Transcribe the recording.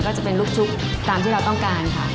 ก็จะเป็นลูกชุบตามที่เราต้องการค่ะ